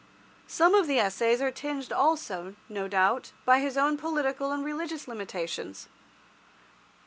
Some of the Essays are tinged also, no doubt, by his own political and religious limitations.